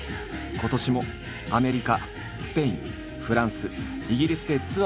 今年もアメリカスペインフランスイギリスでツアーを開催。